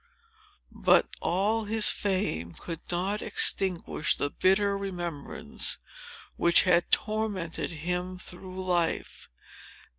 But all his fame could not extinguish the bitter remembrance, which had tormented him through life.